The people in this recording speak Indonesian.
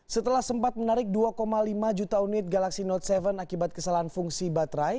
setelah sempat menarik dua lima juta unit galaxy note tujuh akibat kesalahan fungsi baterai